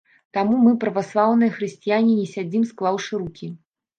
Таму мы, праваслаўныя хрысціяне, не сядзім склаўшы рукі.